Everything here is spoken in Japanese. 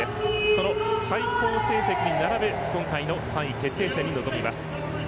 その最高成績に並ぶ今回の３位決定戦に臨みます。